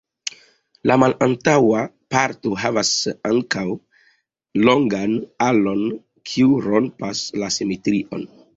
La malantaŭa parto havas ankaŭ longan alon, kiu rompas la simetrion.